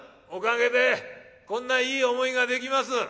おかげでこんないい思いができます。